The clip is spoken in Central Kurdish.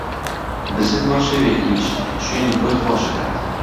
بزن بۆ شەوێکیش شوێنی خۆی خۆش ئەکات